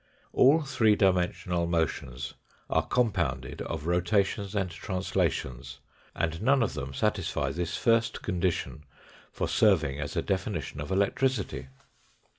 Ah 1 three dimensional motions are compounded of rota tions and translations, and none of them satisfy this first condition for serving as a definition of electricity.